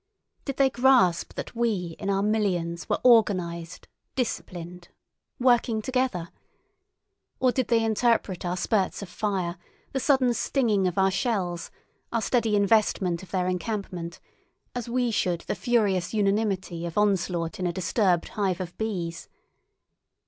Did they grasp that we in our millions were organized, disciplined, working together? Or did they interpret our spurts of fire, the sudden stinging of our shells, our steady investment of their encampment, as we should the furious unanimity of onslaught in a disturbed hive of bees?